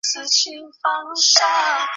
后屡试不第。